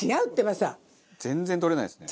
全然取れないですね。